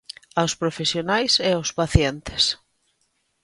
Aos profesionais e aos pacientes.